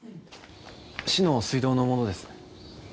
市の水道の者です。